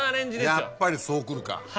やっぱりそうくるか。